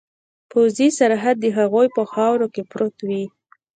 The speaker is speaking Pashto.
پوځي سرحد د هغوی په خاوره کې پروت وي.